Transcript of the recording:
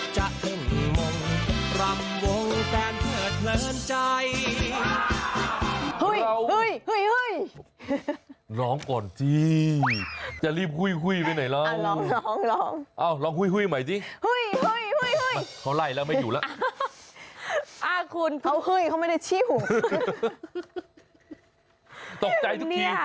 จะถึงมงรำวงแปลนเผิดเหนินใจ